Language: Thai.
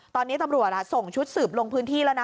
ตอนนี้ตำรวจส่งชุดสืบลงพื้นที่แล้วนะ